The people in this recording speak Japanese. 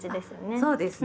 そうですね。